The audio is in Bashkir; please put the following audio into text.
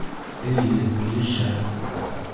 Эйе, килешә